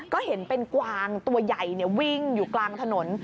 ก็เห็นเป็นกวางตัวใหญ่วิ่งอยู่กลางถนน